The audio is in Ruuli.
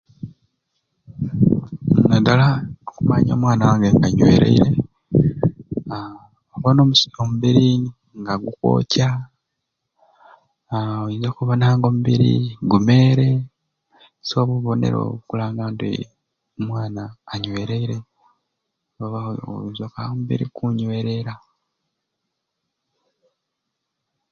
Naddala okumanya omwana wange anywereire, aaa obona omusi omubiri nga gukwokya, aaa oyinza okubona g'omubiri nga gumeere so obwo obubonero bukulanga nti omwana anywereire oba oinza okkoba omubiri gukunywereera...